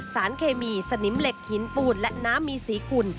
สารเคมีสนิมเหล็กหินปูนและน้ำมีสีขุ่น